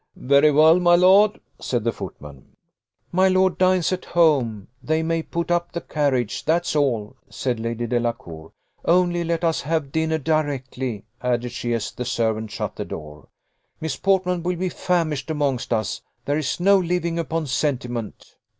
"Very well, my lord," said the footman. "My lord dines at home they may put up the carriage that's all," said Lady Delacour: "only let us have dinner directly," added she, as the servant shut the door. "Miss Portman will be famished amongst us: there is no living upon sentiment."